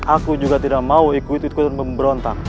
aku juga tidak mau ikut ikut memberontak